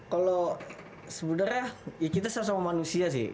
kalau sebenarnya ya kita sama sama manusia sih